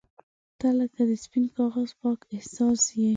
• ته لکه د سپین کاغذ پاک احساس یې.